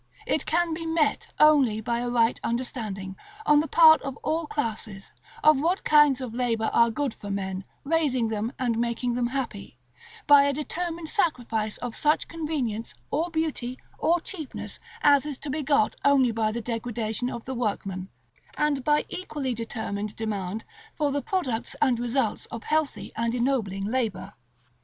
It can be met only by a right understanding, on the part of all classes, of what kinds of labor are good for men, raising them, and making them happy; by a determined sacrifice of such convenience, or beauty, or cheapness as is to be got only by the degradation of the workman; and by equally determined demand for the products and results of healthy and ennobling labor.